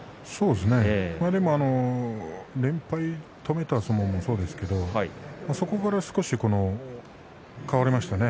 でも連敗を止めた相撲もそうですけれどそこから少し変わりましたね